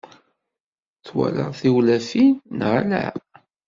Twalaḍ tiwlafin, neɣ ala?